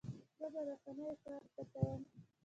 زه د رسنیو کار زده کوم.